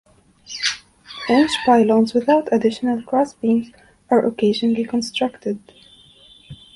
Branch pylons without additional cross beams are occasionally constructed.